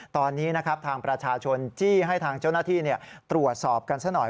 ตอนนี้นะครับทางประชาชนจี้ให้ทางเจ้าหน้าที่ตรวจสอบกันซะหน่อย